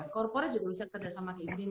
korporate juga bisa kerjasama kayak gini